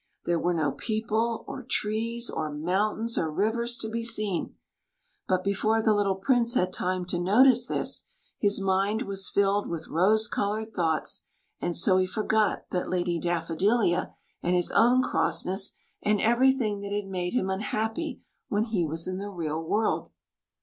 There were no people or trees or mountains or rivers to be seen ; but before the little Prince had time to notice this, his mind was filled with rose coloured thoughts, and so he forgot the Lady Daffodilia and his own crossness and everything that had made him unhappy when he was in the real world.